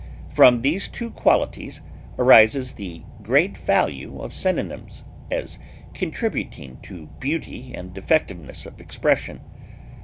From these two qualities arises the great value of synonyms as contributing to beauty and effectiveness of expression.